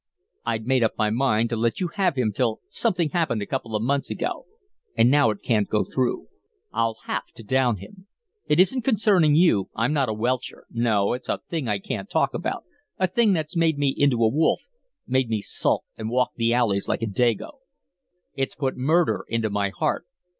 I'd made up my mind to let you have him till something happened a couple of months ago, but now it can't go through. I'll have to down him. It isn't concerning you I'm not a welcher. No, it's a thing I can't talk about, a thing that's made me into a wolf, made me skulk and walk the alleys like a dago. It's put murder into my heart.